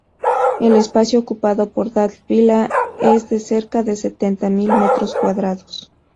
El espacio ocupado por Dalt Vila es de cerca de setenta mil metros cuadrados.